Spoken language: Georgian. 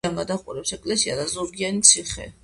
სოფელს მთიდან გადაჰყურებს ეკლესია და ზურგიანი ციხე.